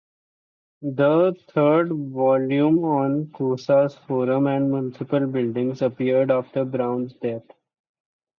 The third volume on Cosa's forum and municipal buildings appeared after Brown's death.